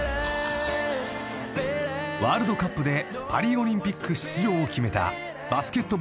［ワールドカップでパリオリンピック出場を決めた］